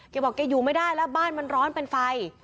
บอกแกอยู่ไม่ได้แล้วบ้านมันร้อนเป็นไฟ